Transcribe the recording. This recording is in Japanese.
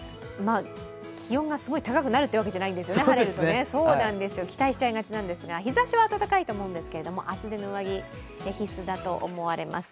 気温がすごく高くなるというわけではないんですよね、そうなんですよ、期待しちゃいがちなんですが日ざしは暖かいと思うんですが、厚手の上着、必須だと思われます。